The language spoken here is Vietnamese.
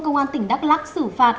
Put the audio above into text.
công an tỉnh đắk lắc xử phạt